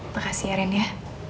makasih ya ren ya